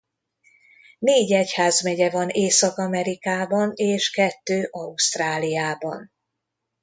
Négy egyházmegye van Észak-Amerikában és kettő Ausztráliában.